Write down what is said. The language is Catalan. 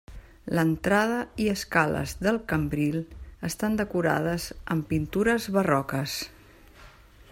L'entrada i escales del cambril estan decorades amb pintures barroques.